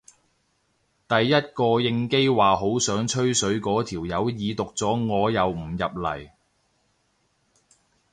第一個應機話好想吹水嗰條友已讀咗我又唔入嚟